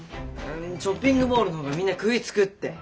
ショッピングモールの方がみんな食いつくって。